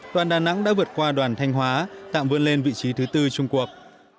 đoàn đà nẵng đã vượt qua đoàn thanh hóa tạm vươn lên vị trí thứ tư trung quốc